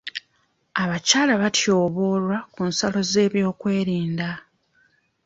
Abakyala batyoboolwa ku nsalo z'ebyokwerinda.